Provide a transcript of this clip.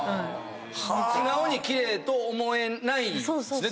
素直に奇麗と思えないんですね